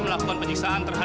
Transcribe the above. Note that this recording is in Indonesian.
mama bebas nek